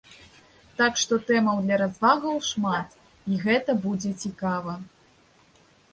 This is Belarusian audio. Так што тэмаў для развагаў шмат, і гэта будзе цікава!